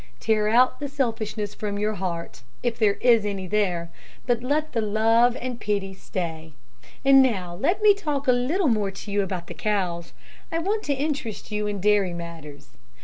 Tear out the selfishness from your heart, if there is any there, but let the love and pity stay. And now let me talk a little more to you about the cows. I want to interest you in dairy matters.